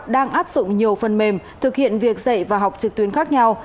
đang áp dụng nhiều phần mềm thực hiện việc dạy và học trực tuyến khác nhau